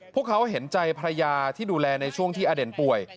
พวกเขาเห็นใจภรรยาที่ดูแลในช่วงที่อเด่นป่วย